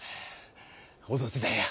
踊ってたんや。